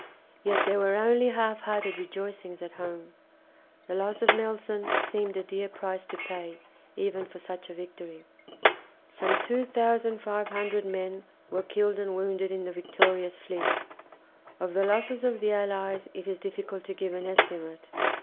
Yet there were only half hearted rejoicings at home. The loss of Nelson seemed a dear price to pay even for such a victory. Some 2500 men were killed and wounded in the victorious fleet. Of the losses of the Allies it is difficult to give an estimate.